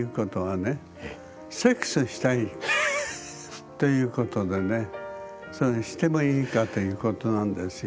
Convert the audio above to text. でもということでねしてもいいかということなんですよ。